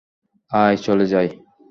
আয়, চলে যাই।